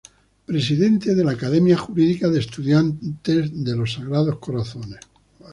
Presidente de la Academia Jurídica de estudiantes de los Sagrados Corazones.